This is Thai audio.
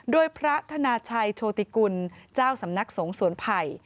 โดยพระธนาชัยโชติกุลเจ้าสำนักสงฆ์สวนไผ่